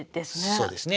そうですね。